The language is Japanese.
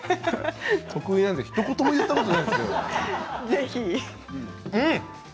得意なんてひと言も言ったことないです。